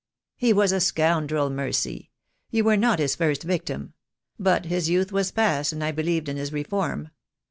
"He was a scoundrel, Mercy. You were not his first victim; but his youth was past, and I believed in his reform.